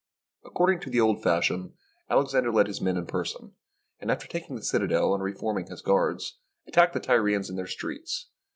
According to the old fashion, Alexander led his men in person, and after taking the citadel and re forming his guards, attacked the Tyrians in their streets.